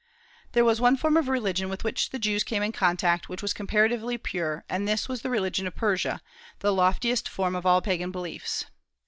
There was one form of religion with which the Jews came in contact which was comparatively pure; and this was the religion of Persia, the loftiest form of all Pagan beliefs.